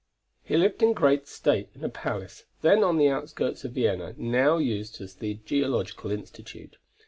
He lived in great state in a palace, then on the outskirts of Vienna, now used as the Geological Institute.